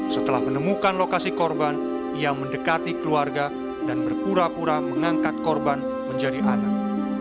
setelah menemukan lokasi korban ia mendekati keluarga dan berpura pura mengangkat korban menjadi anak